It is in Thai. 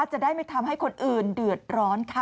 จะได้ไม่ทำให้คนอื่นเดือดร้อนค่ะ